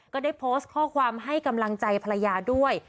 ก็ได้โพสต์ข้อความให้กำลังใจภรรยาด้วย